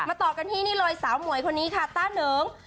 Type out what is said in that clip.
ต่อกันที่นี่เลยสาวหมวยคนนี้ค่ะต้าเหนิง